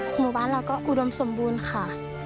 หมู่บ้านเราก็อุดมสมบูรณ์ค่ะ